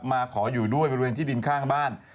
มาขออยู่ด้วยบริเวณที่ดินข้างบ้าน